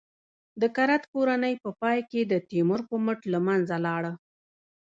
د کرت کورنۍ په پای کې د تیمور په مټ له منځه لاړه.